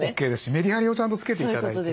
メリハリをちゃんとつけて頂いて。